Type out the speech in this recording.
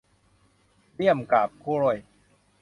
เลี่ยมกาบกล้วย